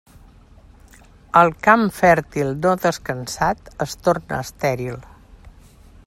El camp fèrtil no descansat es torna estèril.